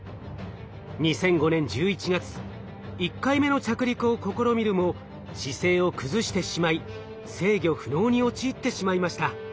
２００５年１１月１回目の着陸を試みるも姿勢を崩してしまい制御不能に陥ってしまいました。